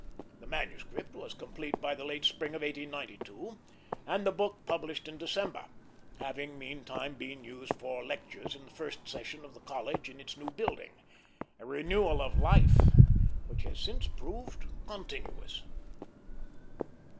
The manuscript was complete by the late spring of 1892, and the book published in December, having meantime been used for lectures in the first session of the College in its new building; a renewal of life which has since proved continuous.